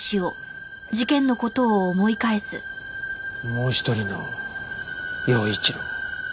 もう一人の耀一郎。